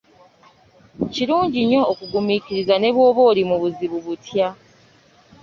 Kirungi nnyo okugumiikiriza ne bwoba oli mu buzibu butya.